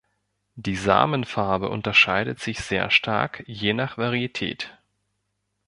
Die Samenfarbe unterscheidet sich sehr stark je nach Varietät.